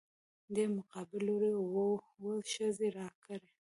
دې مقابل لورى اووه ښځې راکړي.